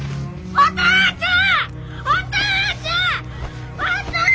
お父ちゃん！